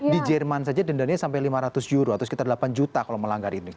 di jerman saja dendanya sampai lima ratus euro atau sekitar delapan juta kalau melanggar ini